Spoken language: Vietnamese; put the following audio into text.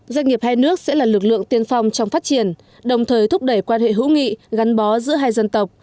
doanh nghiệp hai nước sẽ là lực lượng tiên phong trong phát triển đồng thời thúc đẩy quan hệ hữu nghị gắn bó giữa hai dân tộc